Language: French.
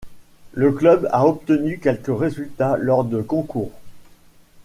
Le Club a obtenu quelques résultats lors de concours.